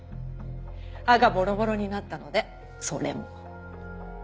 刃がボロボロになったのでそれも。